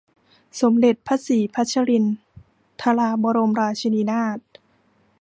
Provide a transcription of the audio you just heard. สมเด็จพระศรีพัชรินทราบรมราชินีนาถ